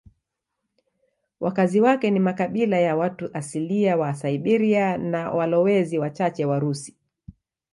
Wakazi wake ni makabila ya watu asilia wa Siberia na walowezi wachache Warusi.